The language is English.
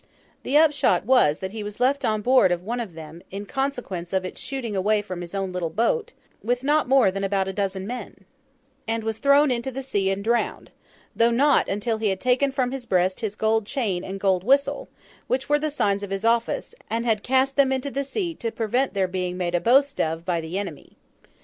The upshot was, that he was left on board of one of them (in consequence of its shooting away from his own boat), with not more than about a dozen men, and was thrown into the sea and drowned: though not until he had taken from his breast his gold chain and gold whistle, which were the signs of his office, and had cast them into the sea to prevent their being made a boast of by the enemy.